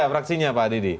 fraksinya pak didi